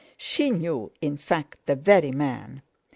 She knew, in fact, the very man.